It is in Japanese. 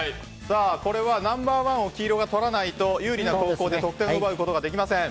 これはナンバー１を黄色が取らないと有利な後攻で得点を奪うことができません。